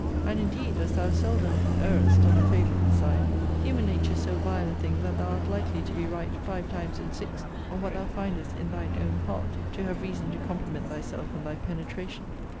And, indeed, as thou seldom errest on the favourable side, human nature is so vile a thing that thou art likely to be right five times in six on what thou findest in thine own heart, to have reason to compliment thyself on thy penetration.